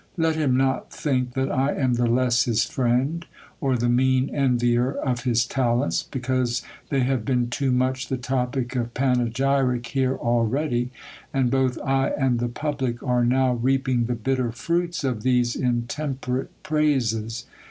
Let him not think that I am the less his friend, or the mean envier of his talents, because they have been too much the topic of pane gyric here already, and both I and ilie public are now reaping the bitter fruits of the^e intemperate praises.